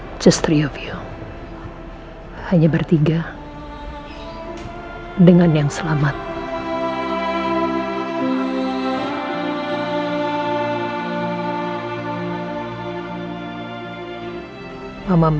mungkin kamu tidak bisa mencari tuhan yang berada di dalam dirimu